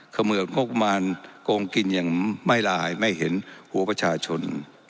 เขมือดงบประมาณโกงกินอย่างไม่ละลายไม่เห็นหัวประชาชน